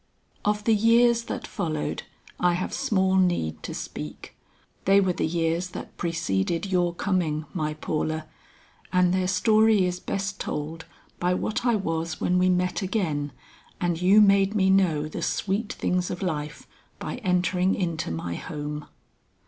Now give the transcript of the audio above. "Of the years that followed I have small need to speak. They were the years that preceded your coming, my Paula, and their story is best told by what I was when we met again, and you made me know the sweet things of life by entering into my home.